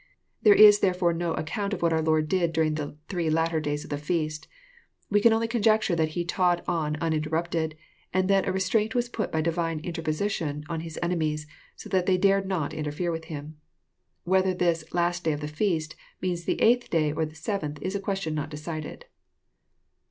There is therefore no ac count of what our Lord did during the three latter days of the feast. We can only conjecture that He taught on uninter rupted, and that a restraint was put by divine interposition on His enemies, so that they dared not interfere with Uim. Whether this '* last day of the feast " means the eighth day or the seventh, is a question not decided.